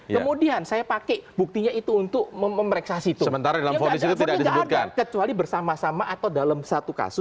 kemudian saya pakai buktinya itu untuk memeriksa situ